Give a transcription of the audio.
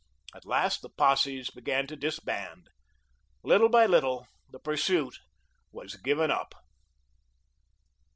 At last the posses began to disband. Little by little the pursuit was given up.